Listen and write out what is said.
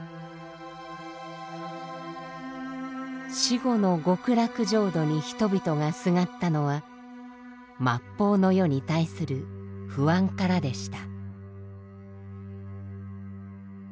死後の極楽浄土に人々がすがったのは末法の世に対する不安からでした。